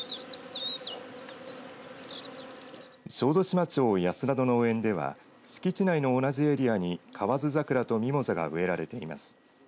小豆島町安田の農園では敷地内の同じエリアに河津桜とミモザが植えられています。